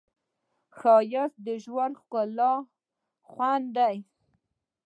ښایست د ژوند ښکلی خوند دی